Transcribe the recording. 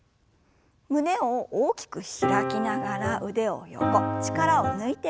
胸を大きく開きながら腕を横力を抜いて振りほぐします。